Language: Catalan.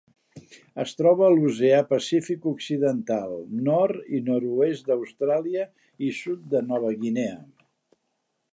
Es troba a l'Oceà Pacífic occidental: nord i nord-oest d'Austràlia i sud de Nova Guinea.